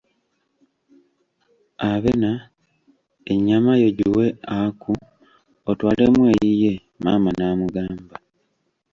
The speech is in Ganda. Abena, ennyama yo giwe Aku otwalemu eyiye, maama n'amugamba.